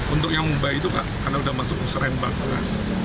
untuk yang mubah itu karena sudah masuk userembang gas